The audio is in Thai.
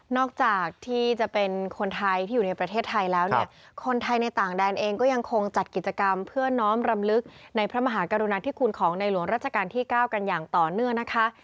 จากที่จะเป็นคนไทยที่อยู่ในประเทศไทยแล้วเนี่ยคนไทยในต่างแดนเองก็ยังคงจัดกิจกรรมเพื่อน้อมรำลึกในพระมหากรุณาธิคุณของในหลวงราชการที่๙กันอย่างต่อเนื่องนะคะ